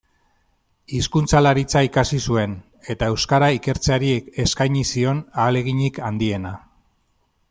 Hizkuntzalaritza ikasi zuen, eta euskara ikertzeari eskaini zion ahaleginik handiena.